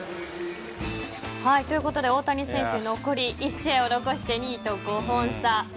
ということで大谷選手残り１試合を残して２位と５本差。